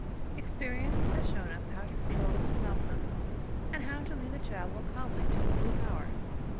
Experience has shown us how to control this phenomenon, and how to lead the child more calmly to this new power.